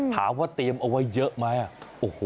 ถามว่าเตรียมเอาไว้เยอะไหม